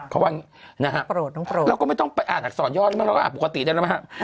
เพราะว่าเราก็ไม่ต้องไปอ่านอักษรยอดเราก็อ่านปกติได้นะครับ